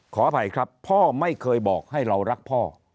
ขออภัยครับพ่อไม่เคยบอกให้เรารักพ่อ